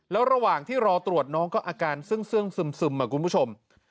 แล้วระหว่างที่รอตรวจน้องก็อาการเสื่องซึมคุณผู้ชม